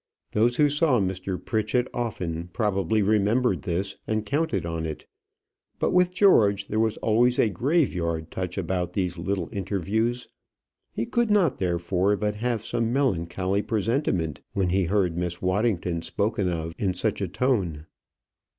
Those who saw Mr. Pritchett often probably remembered this, and counted on it; but with George there was always a graveyard touch about these little interviews. He could not, therefore, but have some melancholy presentiment when he heard Miss Waddington spoken of in such a tone.